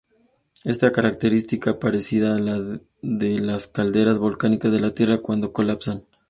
Esta característica parecida a la de las calderas volcánicas de la Tierra cuando colapsan.